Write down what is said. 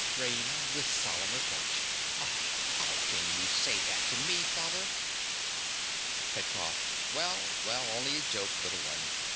RAINA. (with solemn reproach). Ah, how can you say that to me, father? PETKOFF. Well, well, only a joke, little one.